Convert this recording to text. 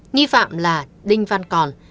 nhi phạm là đinh văn còn